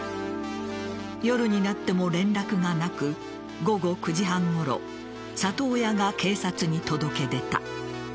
夜になっても連絡がなく午後９時半ごろ里親が警察に届け出た。